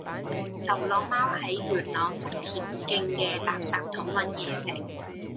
流浪貓喺元朗福田徑嘅垃圾桶搵野食